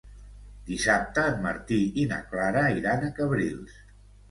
Dissabte en Martí i na Clara iran a Cabrils.